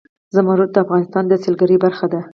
زمرد د افغانستان د سیلګرۍ برخه ده.